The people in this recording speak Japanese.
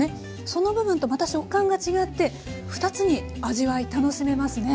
その部分とまた食感が違って２つに味わい楽しめますね。